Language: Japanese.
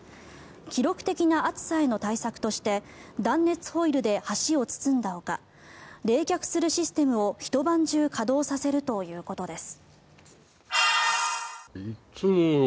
記録的な暑さへの対策として断熱ホイルで橋を包んだほか冷却するシステムをひと晩中稼働させるということです。